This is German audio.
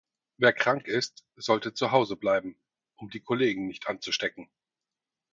Wer krank ist, sollte zu Hause bleiben, um die Kollegen nicht anzustecken.